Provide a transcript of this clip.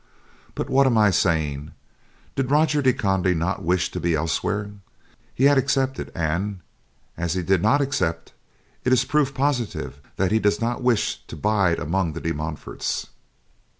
But what am I saying! Did Roger de Conde not wish to be elsewhere, he had accepted and, as he did not accept, it is proof positive that he does not wish to bide among the De Montforts."